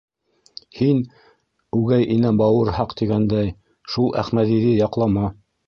— Һин, үгәй инә бауырһаҡ тигәндәй, шул Әхмәҙиҙе яҡлама.